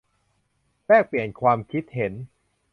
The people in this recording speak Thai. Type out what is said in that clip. แลกเปลี่ยนความคิดเห็น